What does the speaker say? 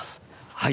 はい。